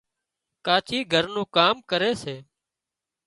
ڪاچي گھر نُون ڪام ڪري سي